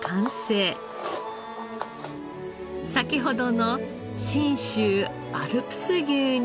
先ほどの信州アルプス牛に。